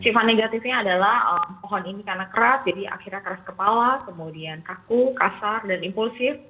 sifat negatifnya adalah pohon ini karena keras jadi akhirnya keras kepala kemudian kaku kasar dan impulsif